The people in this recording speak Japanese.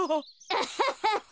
アハハハ！